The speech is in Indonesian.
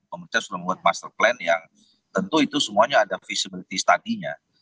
pemerintah sudah membuat master plan yang tentu itu semuanya ada visibility study nya